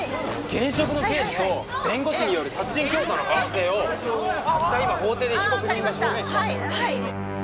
現職の刑事と弁護士による殺人教唆の可能性をたった今法廷で被告人が証言しました！